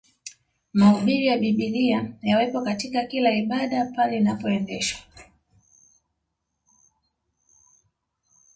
Mahubiri ya Biblia yawepo katika kila ibada pale inapoendeshwa